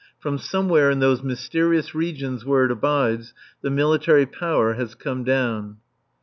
From somewhere in those mysterious regions where it abides, the Military Power has come down.